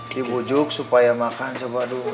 dibujuk supaya makan coba dulu